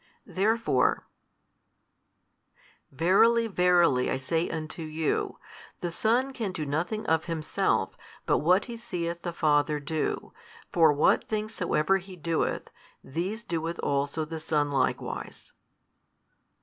Therefore, Verily verily I say unto you, The Son can do nothing of Himself but what He seeth the Father do: for what things soever He doeth, these doeth also the Son likewise.